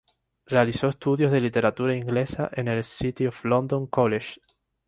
Realizó estudios de literatura inglesa en el City of London College.